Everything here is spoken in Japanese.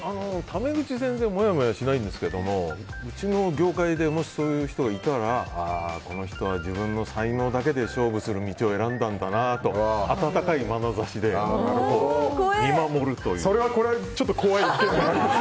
タメ口、全然もやもやしないんですけどもうちの業界でもしそういう人がいたらああ、この人は自分の才能だけで勝負する道を選んだんだとそれはちょっと怖い。